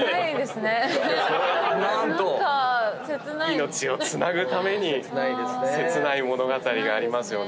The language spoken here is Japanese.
命をつなぐために切ない物語がありますよね。